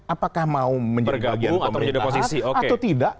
apakah mau menjadi pemerintahan atau tidak